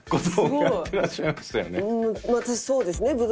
そうですね。